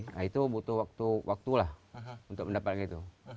nah itu butuh waktu lah untuk mendapatkan itu